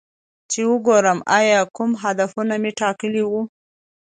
چې وګورم ایا کوم هدفونه مې ټاکلي وو